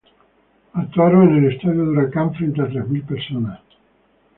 Actuaron en el estadio de Huracán frente a tres mil personas.